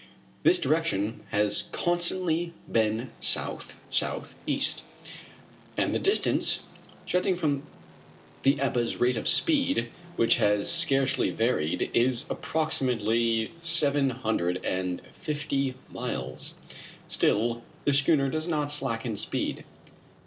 This direction has constantly been south southeast, and the distance, judging from the Ebba's rate of speed, which has scarcely varied, is approximately seven hundred and fifty miles. Still, the schooner does not slacken speed.